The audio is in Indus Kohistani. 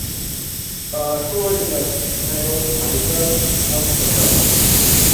آں ݜُو وجہۡ نہ ایں بھژ دہ سم خوشال آن٘س۔